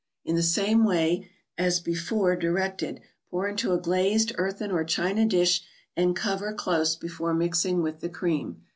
In the same way as before directed, pour into a glazed earthen or china dish and cover close before mixing with the cream.